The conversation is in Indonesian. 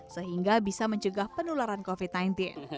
sehingga bisa mencegah penularan covid